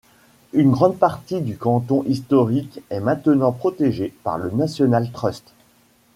Une grande partie du canton historique est maintenant protégé par le National Trust.